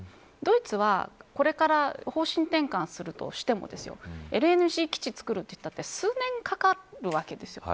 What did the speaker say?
ドイツはこれから方針転換するとしてもＬＮＧ基地を造ると言ったって数年かかるわけです。